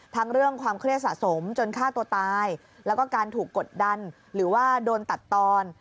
เรื่องความเครียดสะสมจนฆ่าตัวตายแล้วก็การถูกกดดันหรือว่าโดนตัดตอน